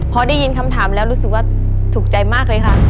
พอได้ยินคำถามแล้วรู้สึกว่าถูกใจมากเลยค่ะ